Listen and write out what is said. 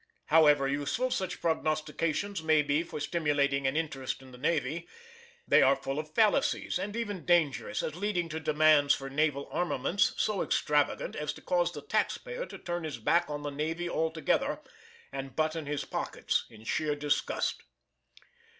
However useful such prognostications may be for stimulating an interest in the navy, they are full of fallacies and even dangerous as leading to demands for naval armaments so extravagant as to cause the taxpayer to turn his back on the navy altogether, and button his pockets in sheer disgust.